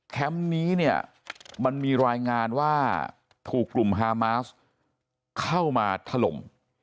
นี้เนี่ยมันมีรายงานว่าถูกกลุ่มฮามาสเข้ามาถล่ม